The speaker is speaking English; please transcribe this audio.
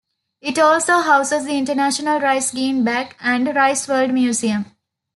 It also houses the International Rice Genebank and Riceworld Museum.